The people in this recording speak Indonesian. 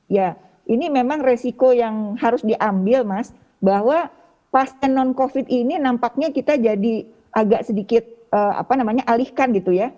ya ini memang resiko yang harus diambil mas bahwa pasien non covid ini nampaknya kita jadi agak sedikit apa namanya alihkan gitu ya